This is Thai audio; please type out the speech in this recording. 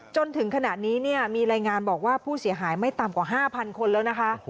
จนถึงขณะนี้มีรายงานบอกว่าผู้เสียหายไม่ต่ำกว่า๕๐๐คนแล้วนะคะ